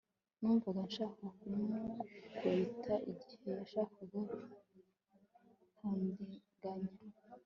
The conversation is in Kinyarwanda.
Numvaga nshaka kumukubita igihe yashakaga kundiganya